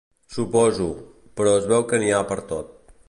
Suposo, però es veu que n'hi ha per tot.